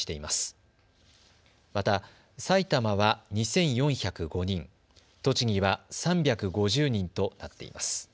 また埼玉は２４０５人、栃木は３５０人となっています。